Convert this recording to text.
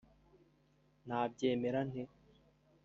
Nabyemera nte